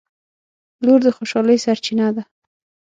• لور د خوشحالۍ سرچینه ده.